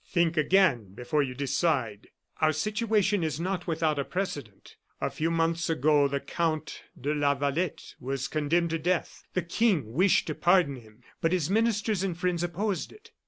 "Think again before you decide. Our situation is not without a precedent. A few months ago the Count de Lavalette was condemned to death. The King wished to pardon him, but his ministers and friends opposed it.